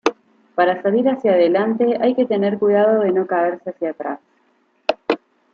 Para salir hacia delante hay que tener cuidado de no caerse hacia atrás.